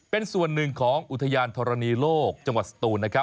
เป็นส่วนหนึ่งของอุทยานธรณีโลกจังหวัดสตูนนะครับ